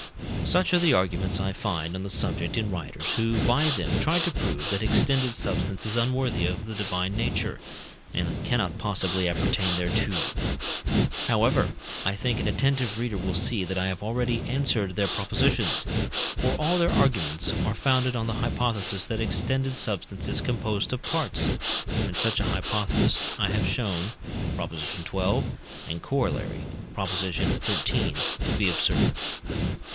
Such are the arguments I find on the subject in writers, who by them try to prove that extended substance is unworthy of the divine nature, and cannot possibly appertain thereto. However, I think an attentive reader will see that I have already answered their propositions; for all their arguments are founded on the hypothesis that extended substance is composed of parts, and such a hypothesis I have shown (Prop. xii., and Coroll. Prop. xiii.) to be absurd.